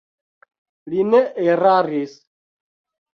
Li ne eraris.